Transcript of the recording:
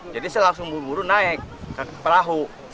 jadi saya langsung buru buru naik ke perahu